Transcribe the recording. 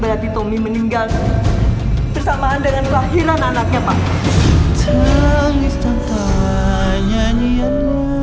berarti tommy meninggal bersamaan dengan kelahiran anaknya pak nyanyian